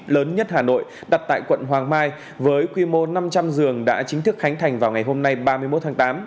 lớn nhất hà nội đặt tại quận hoàng mai với quy mô năm trăm linh giường đã chính thức khánh thành vào ngày hôm nay ba mươi một tháng tám